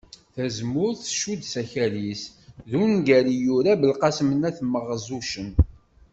Tazemmurt tcudd s akal-is d ungal i yura Belqesem At Maɣzuccen